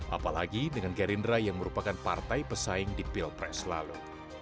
apalagi dengan gerindra yang merupakan partai pesaing di pilpres lalu